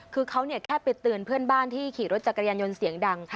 คือเขาแค่ไปเตือนเพื่อนบ้านที่ขี่รถจักรยานยนต์เสียงดัง